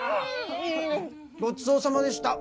ごちそうさまでした